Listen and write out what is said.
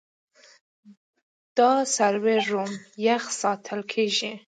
دا سرور روم یخ ساتل کېږي.